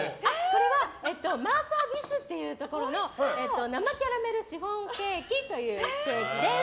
これは、ＭＥＲＣＥＲｂｉｓっていうところの生キャラメルシフォンケーキというケーキです。